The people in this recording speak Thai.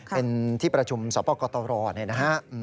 เป็นที่ประชุมสปกตรเนี่ยนะฮะ